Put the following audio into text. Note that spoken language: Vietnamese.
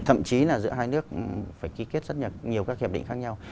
thậm chí là giữa hai nước phải ký kết rất nhiều các hiệp định khác nhau